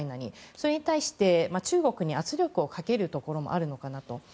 それに対して中国に圧力をかけるところもあるのかなと。